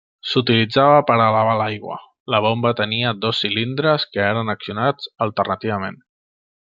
S'utilitzava per a elevar l'aigua: la bomba tenia dos cilindres que eren accionats alternativament.